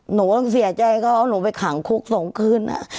หนูต้องเสียใจเขาเอาหนูไปขังคุก๒คืน